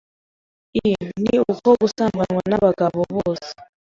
I ni uko gusambanywa n’abo bagabo bose,